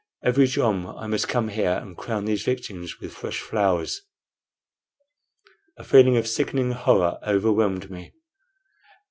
"Every jom I must come here and crown these victims with fresh flowers." A feeling of sickening horror overwhelmed me.